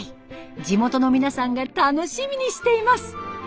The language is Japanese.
地元の皆さんが楽しみにしています。